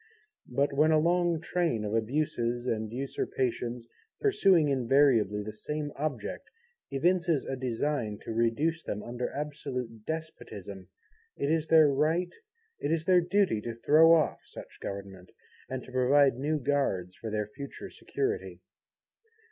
But when a long train of abuses and usurpations, pursuing invariably the same Object evinces a design to reduce them under absolute Despotism, it is their right, it is their duty, to throw off such Government, and to provide new Guards for their future security.